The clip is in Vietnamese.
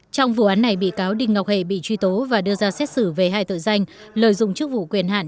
trong vụ án này bị cáo đinh ngọc hệ bị truy tố và đưa ra xét xử về hai tội danh lợi dụng chức vụ quyền hạn